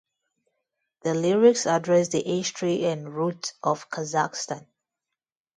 The lyrics address the history and roots of Kazakhstan.